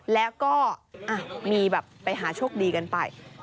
แล้วก็มีแบบไปหาโชคดีกันไป